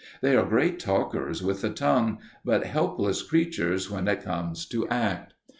They are great talkers with the tongue, but helpless creatures when it comes to act.